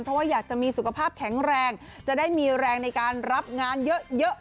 เพราะว่าอยากจะมีสุขภาพแข็งแรงจะได้มีแรงในการรับงานเยอะ